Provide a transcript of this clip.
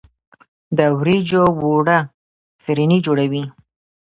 د وریجو اوړه فرني جوړوي.